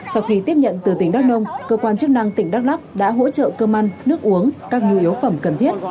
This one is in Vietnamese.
sau khi tiếp nhận từ tỉnh đắk nông cơ quan chức năng tỉnh đắk lắc đã hỗ trợ cơm ăn nước uống các nhu yếu phẩm cần thiết